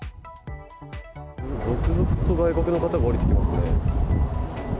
続々と外国の方が降りてきま